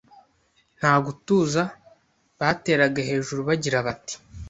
Nta gutuza, bateraga hejuru bagira bati: